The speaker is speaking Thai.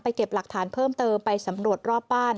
เก็บหลักฐานเพิ่มเติมไปสำรวจรอบบ้าน